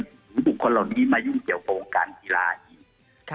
หรือบุคคลเหล่านี้มายุ่งเกี่ยวกับวงการกีฬาอีก